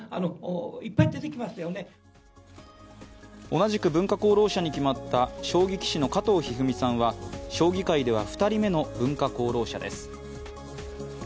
同じく文化功労者に決まった将棋棋士の加藤一二三さんは将棋界では２人目の文化功労者です